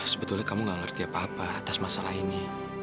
sebetulnya kamu gak ngerti apa apa atas masalah ini